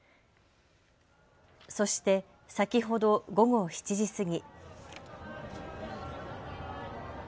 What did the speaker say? そして、先ほど午後７時過ぎ。